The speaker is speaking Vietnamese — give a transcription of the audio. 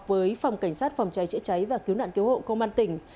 với phòng cảnh sát phòng cháy chữa cháy và cứu nạn cứu hộ công an tỉnh